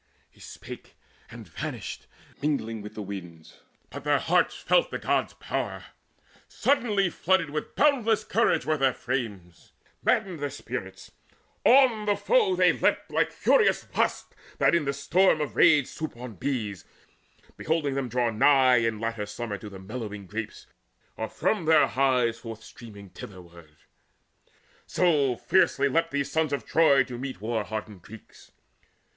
He spake, and vanished, mingling with the winds. But their hearts felt the God's power: suddenly Flooded with boundless courage were their frames, Maddened their spirits: on the foe they leapt Like furious wasps that in a storm of rage Swoop upon bees, beholding them draw nigh In latter summer to the mellowing grapes, Or from their hives forth streaming thitherward; So fiercely leapt these sons of Troy to meet War hardened Greeks.